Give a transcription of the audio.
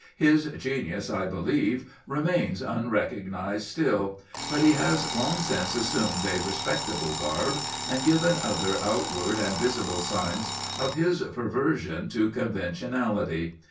His genius, I believe, remains unrecognized still; but he has long since assumed a respectable garb, and given other outward and visible signs of his perversion to conventionality.